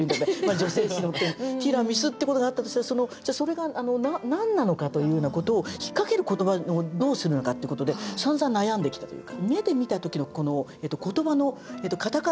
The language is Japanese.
女性誌のテーマティラミスってことがあったとしたらじゃあそれが何なのかというようなことを引っ掛ける言葉をどうするのかっていうことでさんざん悩んできたというか。